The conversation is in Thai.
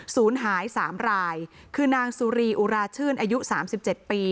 สูญหายสามรายคือนางสุรีอุราชื่นอายุสามสิบเจ็บปี